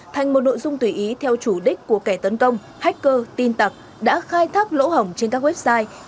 thành một nội dung tùy ý theo chủ đích của kẻ tấn công hacker tin tặc đã khai thác lỗ hỏng trên các website